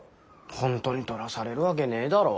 ほんとに取らされるわけねえだろ。